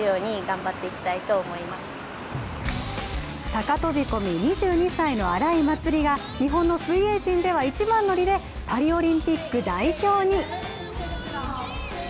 高飛び込み、２２歳の荒井祭里が日本の水泳人では一番乗りでパリオリンピック代表に。